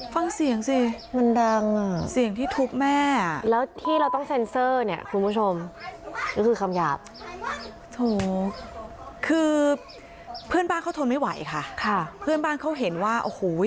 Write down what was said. ฟังเสียงสิมันดังอ่ะเสียงที่ทุบแม่แล้วที่เราต้องเซ็นเซอร์เนี่ยคุณผู้ชมก็คือคำหยาบโถคือเพื่อนบ้านเขาทนไม่ไหวค่ะค่ะเพื่อนบ้านเขาเห็นว่าโอ้โห